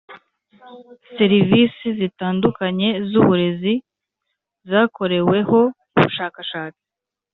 Serivisi zitandukanye z uburezi zakoreweho ubushakashatsi